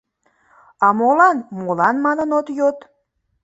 А молан «молан?» манын от йод?